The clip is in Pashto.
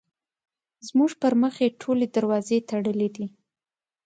زموږ پر مخ یې ټولې دروازې تړلې دي.